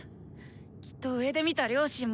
きっと上で見た両親も。